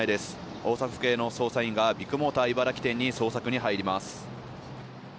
大阪府警の捜査員がビッグモーター茨木店に捜索に入ります